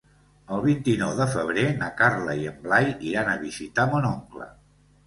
El vint-i-nou de febrer na Carla i en Blai iran a visitar mon oncle.